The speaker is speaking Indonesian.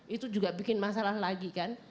itu juga bikin masalah lagi kan